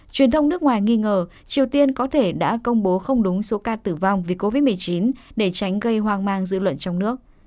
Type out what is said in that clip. truyền thông nước ngoài nghi ngờ triều tiên có thể đã công bố không đúng số ca tử vong vì covid một mươi chín để tránh gây hoang mang dư luận trong nước